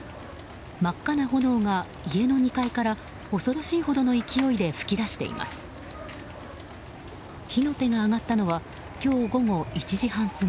真っ赤な炎が家の２階から恐ろしいほどの勢いで噴き出しています。